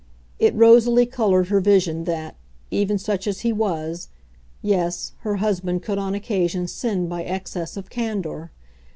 It rosily coloured her vision that even such as he was, yes her husband could on occasion sin by excess of candour.